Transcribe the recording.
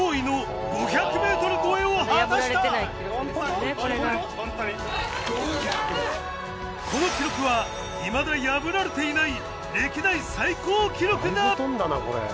・ほんとに・この記録は未だ破られていない歴代最高記録だ！